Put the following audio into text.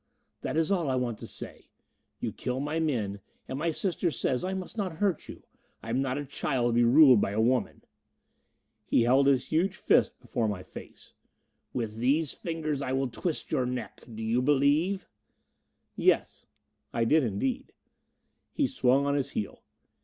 "That is all I want to say. You kill my men, and my sister says I must not hurt you. I am not a child to be ruled by a woman!" He held his huge fist before my face. "With these fingers I will twist your neck! Do you believe it?" "Yes." I did indeed. He swung on his heel.